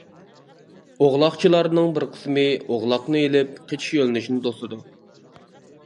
ئوغلاقچىلارنىڭ بىر قىسمى ئوغلاقنى ئېلىپ قېچىش يۆنىلىشىنى توسىدۇ.